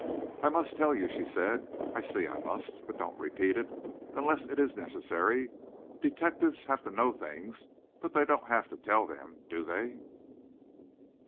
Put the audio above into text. "I must tell you," she said. "I see I must. But don't repeat it, unless it is necessary. Detectives have to know things, but they don't have to tell them, do they?"